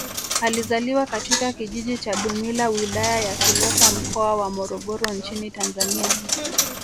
Alizaliwa katika kijiji cha Dumila Wilaya ya Kilosa Mkoa wa Morogoro nchini Tanzania